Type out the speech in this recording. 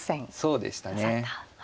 そうでしたね。